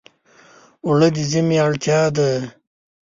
اوړه د ژمي اړتیا ده